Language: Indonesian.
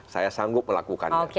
saya sanggup melakukannya